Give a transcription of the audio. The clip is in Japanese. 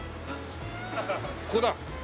ここだ。